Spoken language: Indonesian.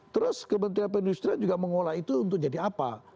terus ke menteri perindustrian juga mengelola itu untuk jadi apa